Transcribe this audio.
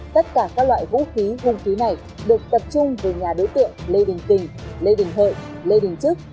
tất cả các loại vũ khí hung khí này được tập trung về nhà đối tượng lê đình kỳ lê đình hợi lê đình trức